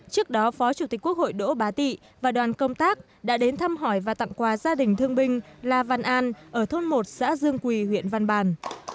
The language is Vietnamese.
trước đó phó chủ tịch quốc hội đỗ bá tị và đoàn công tác đã đến thăm hỏi và tặng quà gia đình thương binh la văn an ở thôn một xã dương quỳ huyện văn bàn